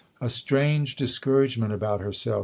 " A strange discouragement about herself.